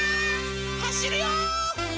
はしるよ！